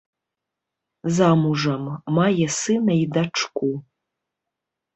Замужам, мае сына і дачку.